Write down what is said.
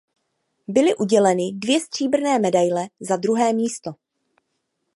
Byly uděleny dvě stříbrné medaile za druhé místo.